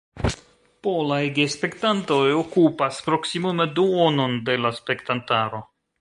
Polaj gespektantoj okupas proksimume duonon de la spektantaro.